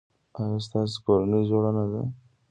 ایا ستاسو کورنۍ جوړه نه ده؟